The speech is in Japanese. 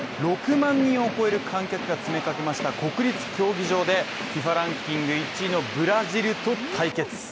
６万人を超える観客が詰めかけました国立競技場でＦＩＦＡランキング１位のブラジルと対決。